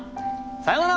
さよなら！